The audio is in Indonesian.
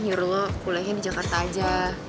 ya udah lo kulennya di jakarta aja